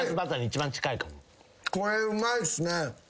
これうまいっすね。